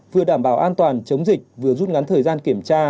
vừa đảm bảo an toàn chống dịch vừa rút ngắn thời gian kiểm tra